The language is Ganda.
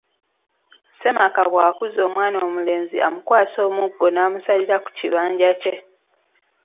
Ssemaka bw’akuza omwana omulenzi amukwasa omuggo n’amusalira ku kibanja kye.